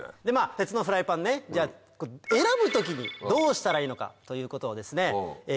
鉄のフライパンね選ぶ時にどうしたらいいのかということを聞いてきました。